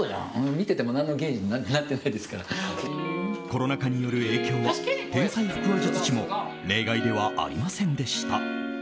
コロナ禍による影響は天才腹話術師も例外ではありませんでした。